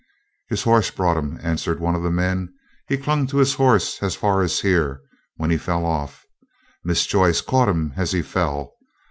"His horse brought him," answered one of the men. "He clung to his horse as far as here, when he fell off. Miss Joyce caught him as he fell.